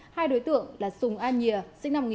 hai đối tượng là sùng an nhiệm